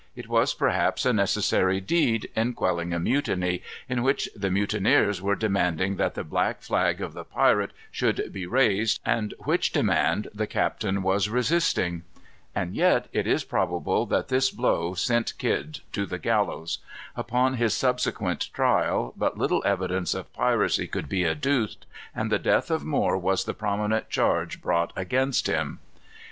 It was perhaps a necessary deed, in quelling a mutiny, in which the mutineers were demanding that the black flag of the pirate should be raised, and which demand the captain was resisting. And yet it is probable that this blow sent Kidd to the gallows. Upon his subsequent trial, but little evidence of piracy could be adduced, and the death of Moore was the prominent charge brought against him.